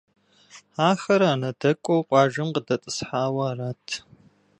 Ахэр анэдэкӏуэу къуажэм къыдэтӏысхьауэ арат.